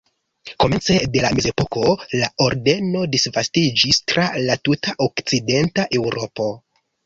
Komence de la mezepoko la ordeno disvastiĝis tra la tuta okcidenta Eŭropo.